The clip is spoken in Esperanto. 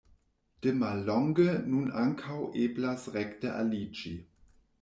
De mallonge nun ankaŭ eblas rekte aliĝi.